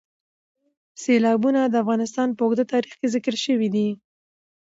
سیلابونه د افغانستان په اوږده تاریخ کې ذکر شوي دي.